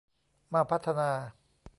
มาพัฒนา